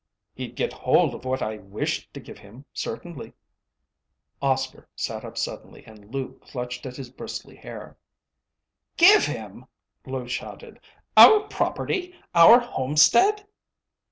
"He'd get hold of what I wished to give him, certainly." Oscar sat up suddenly and Lou clutched at his bristly hair. "Give him?" Lou shouted. "Our property, our homestead?"